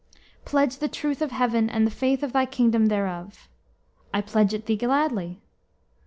"Pledge the truth of Heaven and the faith of thy kingdom thereof." "I pledge it thee gladly."